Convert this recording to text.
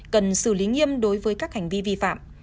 cần xử lý nghiêm đối với các hành vi vi phạm